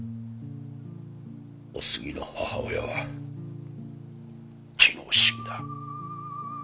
お杉の母親は昨日死んだ。